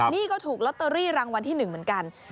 นี้ก็ถูกลอตเตอรี่ลังวัลที่๑บ้านกัน